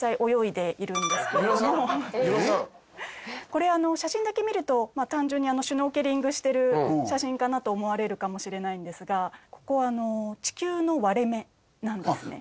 これ写真だけ見ると単純にシュノーケリングしてる写真かなと思われるかもしれないんですがここ地球の割れ目なんですね。